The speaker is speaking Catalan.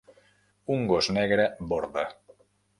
Un gos negre borda.